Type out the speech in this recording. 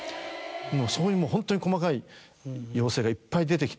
そういうホントに細かい要請がいっぱい出てきて。